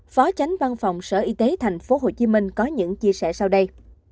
phó tránh văn phòng sở y tế tp hcm có những chia sẻ sau đây